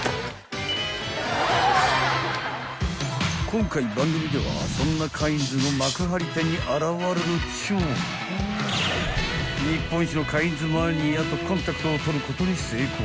［今回番組ではそんなカインズの幕張店に現れるっちゅう日本一のカインズマニアとコンタクトを取ることに成功］